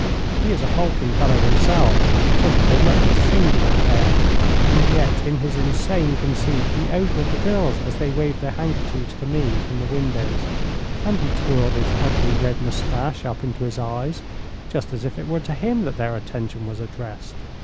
He is a hulking fellow himself, so that they looked a singular pair. And yet in his insane conceit he ogled the girls as they waved their handkerchiefs to me from the windows, and he twirled his ugly red moustache up into his eyes, just as if it were to him that their attention was addressed.